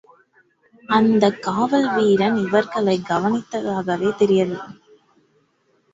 அந்தக் காவல் வீரன் இவர்களைக் கவனித்ததாகவே தெரியவில்லை.